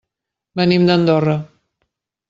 Venim d'Andorra.